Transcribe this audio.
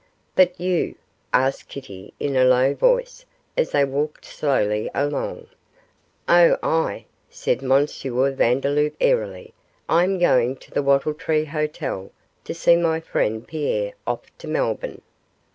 'But you?' asked Kitty, in a low voice, as they walked slowly along. 'Oh, I,' said M. Vandeloup, airily; 'I am going to the Wattle Tree Hotel to see my friend Pierre off to Melbourne.